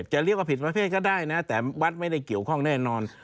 จะเรียกว่าผิดประเภทก็ได้นะแต่วัดไม่ได้เกี่ยวข้องแน่นอน